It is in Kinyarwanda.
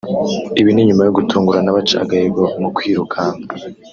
Ibi ni nyuma yo gutungurana baca agahigo mu kwirukanka